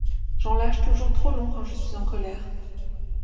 J'en lâche toujours trop long, quand je suis en colère.